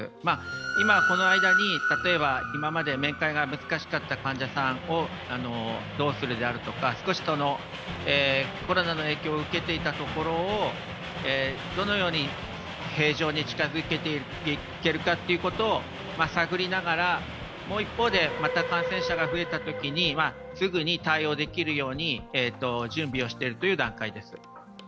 今、この間に今まで面会が難しかった患者さんをどうするであるとか、コロナの影響を受けていたところをどのように平常に近づけていけるかということを探りながらもう一方でまた感染者が増えたときにすぐに対応できるように準備をしているという段階です。